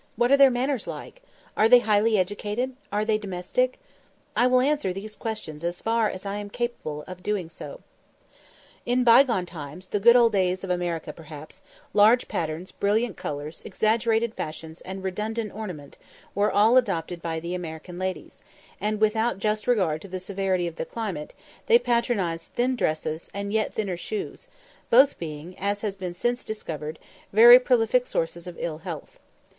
What are their manners like? Are they highly educated? Are they domestic?" I will answer these questions as far as I am capable of doing so. In bygone times, the "good old times" of America perhaps, large patterns, brilliant colours, exaggerated fashions, and redundant ornament, were all adopted by the American ladies; and without just regard to the severity of their climate, they patronised thin dresses, and yet thinner shoes; both being, as has been since discovered, very prolific sources of ill health.